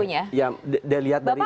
iya dia lihat dari ini aja